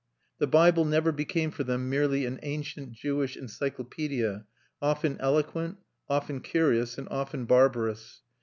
The Bible never became for them merely an ancient Jewish encyclopædia, often eloquent, often curious, and often barbarous.